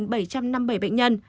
hai bảy trăm năm mươi bảy bệnh nhân